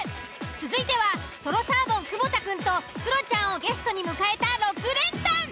続いてはとろサーモン久保田くんとクロちゃんをゲストに迎えた６連単。